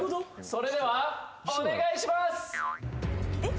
それではお願いしますえっ？